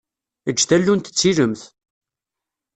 Eǧǧ tallunt d tilemt.